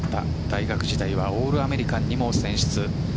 大学時代はオールアメリカンにも選出。